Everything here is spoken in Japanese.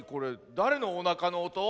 だれのおなかのおと？